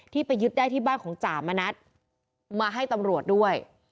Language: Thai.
ไปยึดได้ที่บ้านของจ่ามณัฐมาให้ตำรวจด้วย